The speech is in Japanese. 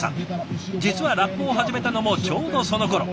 実はラップを始めたのもちょうどそのころ。